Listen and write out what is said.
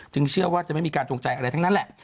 เชื่อว่าจะไม่มีการจงใจอะไรทั้งนั้นแหละ